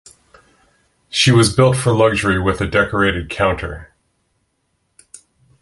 She was built for luxury with a decorated counter.